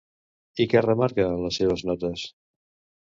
I què remarca en les seves notes?